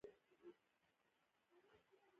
کاناډا ته سلام.